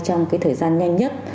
trong thời gian nhanh nhất